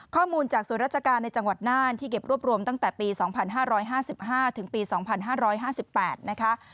ข้อมูลจากส่วนราชการในจังหวัดน่านที่เก็บรวบรวมตั้งแต่ปี๒๕๕๕ถึงปี๒๕๕๘นะคะ